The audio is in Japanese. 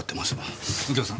右京さん